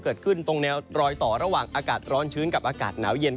เกิดขึ้นตรงแนวรอยต่อระหว่างอากาศร้อนชื้นกับอากาศหนาวเย็น